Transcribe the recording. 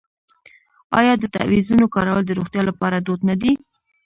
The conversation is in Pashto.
آیا د تعویذونو کارول د روغتیا لپاره دود نه دی؟